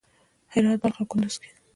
هرات، بلخ او کندز کې